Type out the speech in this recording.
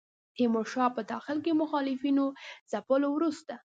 تیمورشاه په داخل کې مخالفینو ځپلو وروسته.